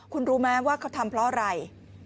คุณรู้ไหมว่าเขาทำเพราะอะไร